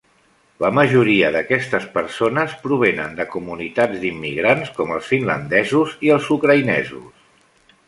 La majoria d"aquestes persones provenen de comunitats d"immigrants com els Finlandesos i els Ucraïnesos.